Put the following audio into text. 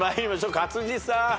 勝地さん。